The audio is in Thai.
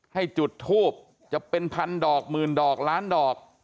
ให้จุดทูบจะเป็นพันดอกหมื่นดอกล้านดอก